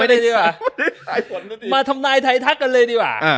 ไม่ได้ผลมาต่อดีมาทำนายไทยทักกันเลยดีอ่า